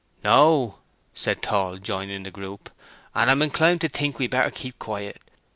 "No," said Tall, joining the group. "And I'm inclined to think we'd better keep quiet.